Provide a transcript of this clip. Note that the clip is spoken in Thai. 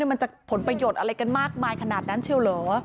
มันจะผลประโยชน์อะไรกันมากมายขนาดนั้นเชียวเหรอ